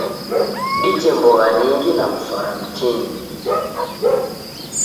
Dije mbogha nyingi na mswara mtini..